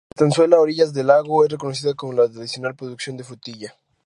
Estanzuela: a orillas del lago, es reconocida por la tradicional producción de frutilla.